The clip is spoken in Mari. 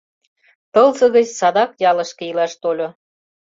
Тылзе гыч садак ялышке илаш тольо.